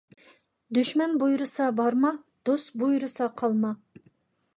دۈشمەن بۇيرۇسا بارما، دوست بۇيرۇسا قالما.